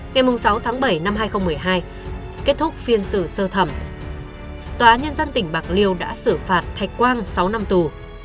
ngày sáu tháng bảy năm hai nghìn một mươi hai kết thúc phiên xử sơ thẩm tòa án nhân dân tỉnh bạc liêu đã xử phạt thạch quang sáu năm tù